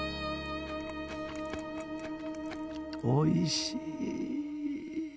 おいしい！